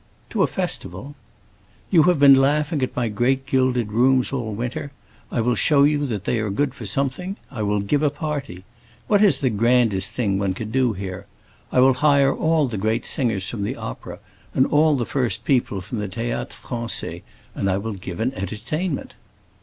"To a festival?" "You have been laughing at my great gilded rooms all winter; I will show you that they are good for something. I will give a party. What is the grandest thing one can do here? I will hire all the great singers from the opera, and all the first people from the Théâtre Français, and I will give an entertainment."